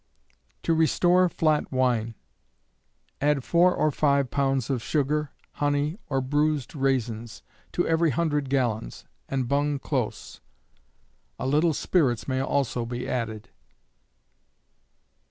To restore Flat Wine. Add four or five pounds of sugar, honey, or bruised raisins, to every hundred gallons, and bung close. A little spirits may also be added.